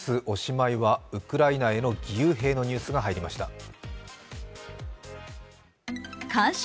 おしまいはウクライナへの義勇兵のニュースが入ってきました。